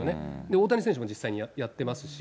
大谷選手も実際にやってますし。